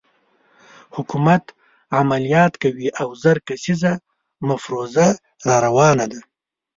حکومت عملیات کوي او زر کسیزه مفروزه راروانه ده.